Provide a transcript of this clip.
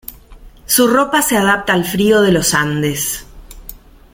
Su ropa se adapta al frío de los Andes.